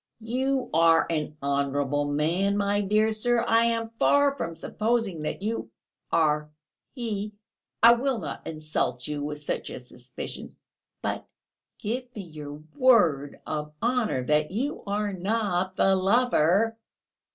"You are an honourable man, my dear sir. I am far from supposing that you are he, I will not insult you with such a suspicion; but ... give me your word of honour that you are not the lover...."